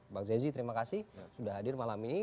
bang zezi terima kasih sudah hadir malam ini